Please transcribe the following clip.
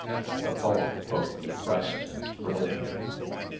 The poem both depressed and thrilled him.